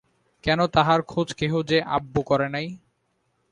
কেন তাহার খোজ কেহ যে আব্ব করে নাই!